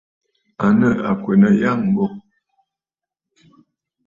À nɨ àkwènə̀ àyâŋmbô.